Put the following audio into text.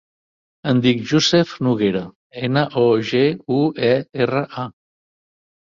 Em dic Yousef Noguera: ena, o, ge, u, e, erra, a.